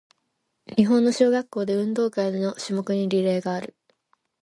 日本の小学校で、運動会の種目にリレーがある。